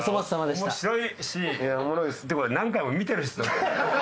でも何回も見てるしさ。